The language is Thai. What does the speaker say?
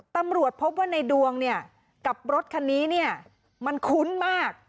ตำรวจพบว่าในดวงเนี่ยกับรถคันนี้เนี่ยมันคุ้นมาก